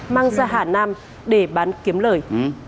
mang ra hà nam để bán kiếm lời